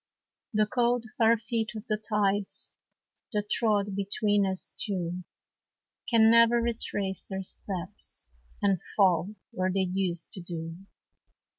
The cold, far feet of the tides That trod between us two, Can never retrace their steps, And fall where they used to do.